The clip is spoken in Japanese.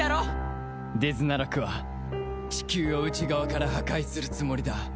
デズナラクはチキューを内側から破壊するつもりだ。